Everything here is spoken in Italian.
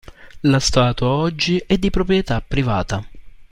La statua oggi è di proprietà privata.